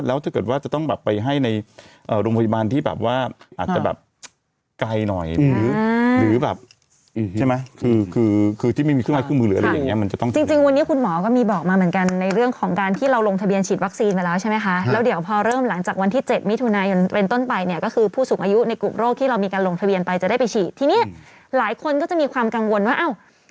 แล้วถ้าเกิดว่าจะต้องแบบไปให้ในโรงพยาบาลที่แบบว่าอาจจะแบบไกลหน่อยหรือแบบใช่ไหมคือคือที่ไม่มีขึ้นมาขึ้นมือเหรอหล่ะอย่างเงี้ยจริงวันนี้คุณหมอก็มีบอกมาเหมือนกันในเรื่องของการที่เราลงทะเบียนฉีดวัคซีนมาแล้วใช่ไหมคะ